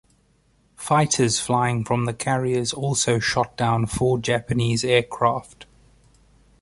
Fighters flying from the carriers also shot down four Japanese aircraft.